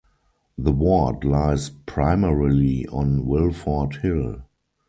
The ward lies primarily on Wilford Hill.